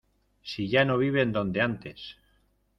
Si ya no viven donde antes.